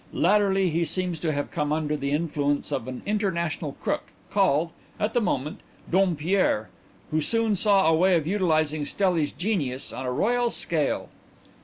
Latterly he seems to have come under the influence of an international crook called at the moment Dompierre, who soon saw a way of utilizing Stelli's genius on a royal scale.